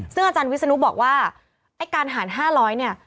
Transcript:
ซึ่งอาจารย์วิศนุบอกว่าไอ้การหาร๕๐๐เนี่ย